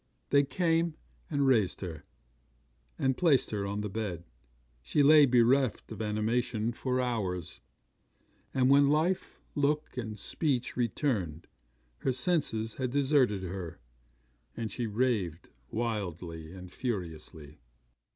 'They came, and raised her, and placed her on the bed. She lay bereft of animation for hours; and when life, look, and speech returned, her senses had deserted her, and she raved wildly and furiously.